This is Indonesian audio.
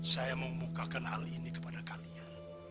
saya memukakan hal ini kepada kalian